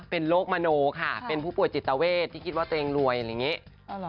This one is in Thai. เป็นโรคมโนค่ะเป็นผู้ป่วยจิตเวทที่คิดว่าตัวเองรวยอะไรอย่างนี้